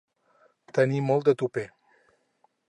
Tenir molt de tupè.